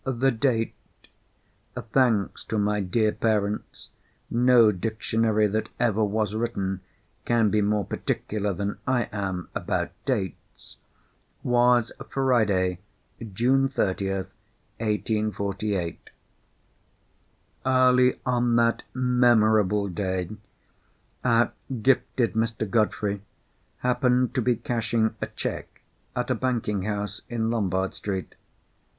The date—thanks to my dear parents, no dictionary that ever was written can be more particular than I am about dates—was Friday, June 30th, 1848. Early on that memorable day, our gifted Mr. Godfrey happened to be cashing a cheque at a banking house in Lombard Street.